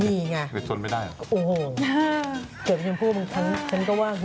เกิดไปเชียมภูมิฉันก็ว่าเหนื่อยอย่างนั้น